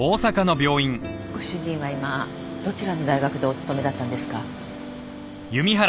ご主人は今どちらの大学でお勤めだったんですか？